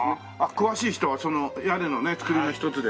詳しい人はその屋根の造りのひとつでね。